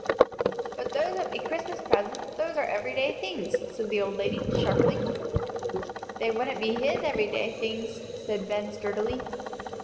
"But those wouldn't be Christmas presents; those are everyday things," said the old lady, sharply. "They wouldn't be his everyday things," said Ben, sturdily.